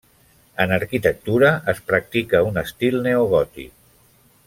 En arquitectura es practica un estil neogòtic.